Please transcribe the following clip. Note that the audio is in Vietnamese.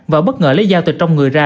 và bất ngờ lấy dao từ trong người ra